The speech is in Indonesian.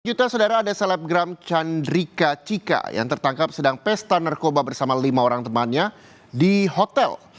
satu juta saudara ada selebgram chandrika cika yang tertangkap sedang pesta narkoba bersama lima orang temannya di hotel